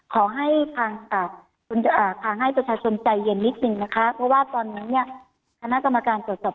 ขอให้ทางให้ประชาชนใจเย็นนิดนึงนะคะเพราะว่าตอนนี้เนี่ยคณะกรรมการตรวจสอบ